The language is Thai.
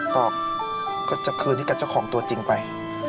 ตอบก็จะคืนให้กับเจ้าของตัวจริงไป